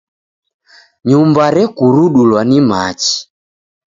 Nyumba rekurudulwa ni machi.